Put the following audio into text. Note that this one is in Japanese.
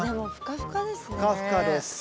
ふかふかです。